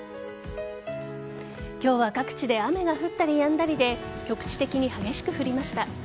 今日は各地で雨が降ったりやんだりで局地的に激しく降りました。